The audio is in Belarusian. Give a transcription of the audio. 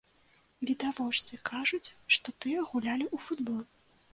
Відавочцы кажуць, што тыя гулялі ў футбол.